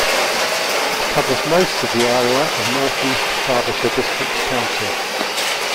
It covers most of the area of North East Derbyshire District Council.